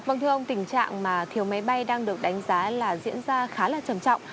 vâng thưa ông tình trạng mà thiếu máy bay đang được đánh giá là diễn ra khá là trầm trọng